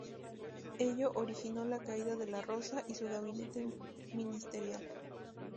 Ello originó la caída de La Rosa y su gabinete ministerial.